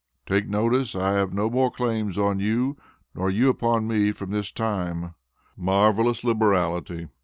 "Take notice I have no more claim on you nor you on me from this time." Marvellous liberality!